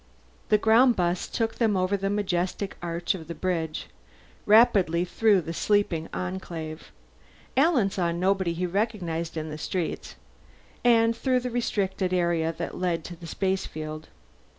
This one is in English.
The ground bus took them over the majestic arch of the bridge, rapidly through the sleepy Enclave Alan saw nobody he recognized in the streets and through the restricted area that led to the spacefield.